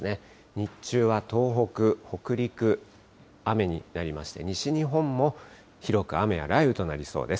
日中は東北、北陸、雨になりまして、西日本も広く雨や雷雨となりそうです。